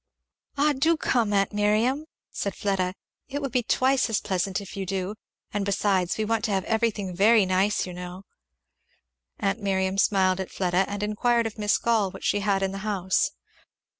"Ah do come, aunt Miriam!" said Fleda; "it will be twice as pleasant if you do; and besides, we want to have everything very nice, you know." Aunt Miriam smiled at Fleda, and inquired of Miss Gall what she had in the house.